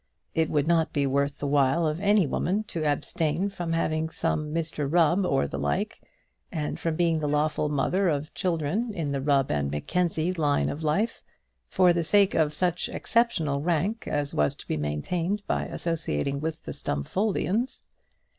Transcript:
It would not be worth the while of any woman to abstain from having some Mr Rubb or the like, and from being the lawful mother of children in the Rubb and Mackenzie line of life, for the sake of such exceptional rank as was to be maintained by associating with the Stumfoldians.